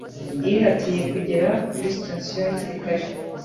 Yihatiye kugera kuri sitasiyo hakiri kare.